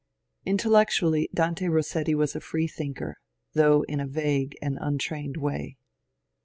Intellectually Dante Rossetti was a freethinker, though in a vague and untrained way.